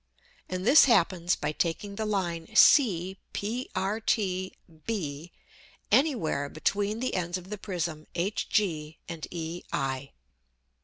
And this happens by taking the Line C prt B any where between the Ends of the Prism HG and EI.